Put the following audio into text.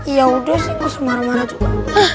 ya udah sih kok semara mara juga